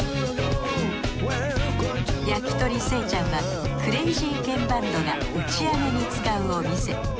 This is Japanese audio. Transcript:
やきとりせいちゃんはクレイジーケンバンドが打ち上げに使うお店。